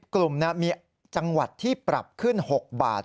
กลุ่มมีจังหวัดที่ปรับขึ้น๖บาท